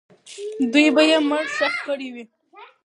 دوی به یې مړی ښخ کړی وو.